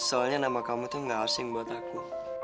soalnya nama kamu tuh gak asing buat aku